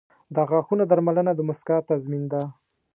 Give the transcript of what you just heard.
• د غاښونو درملنه د مسکا تضمین ده.